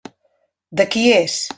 De qui és?